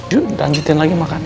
yuk lanjutin lagi makan